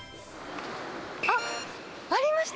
あっ、ありました。